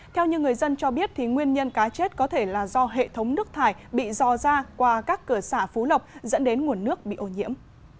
theo như người dân cho biết nguyên nhân cá chết có thể là do hệ thống nước thải bị dò ra qua các cửa xả phú lọc dẫn đến nguồn nước bị ô nhiễm